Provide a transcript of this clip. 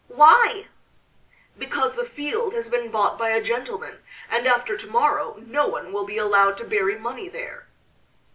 "Why?" "Because the field has been bought by a gentleman, and after to morrow no one will be allowed to bury money there."